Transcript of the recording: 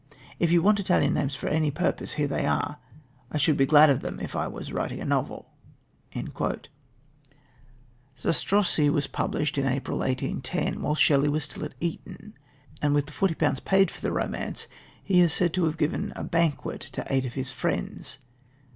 If you want Italian names for any purpose, here they are; I should be glad of them if I was writing a novel." Zastrozzi was published in April, 1810, while Shelley was still at Eton, and with the £40 paid for the romance, he is said to have given a banquet to eight of his friends.